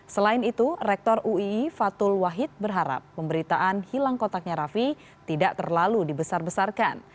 selain itu rektor uii fatul wahid berharap pemberitaan hilang kotaknya raffi tidak terlalu dibesar besarkan